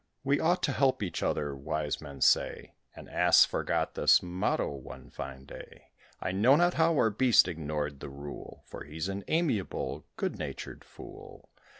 We ought to help each other, wise men say: An Ass forgot this motto, one fine day. I know not how our beast ignored the rule, For he's an amiable, good natured fool.